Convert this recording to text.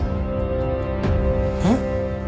えっ？